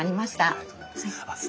ありがとうございます。